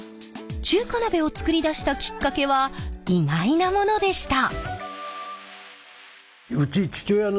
中華鍋を作り出したきっかけは意外なものでした。